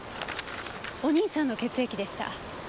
お兄さんの血液でした。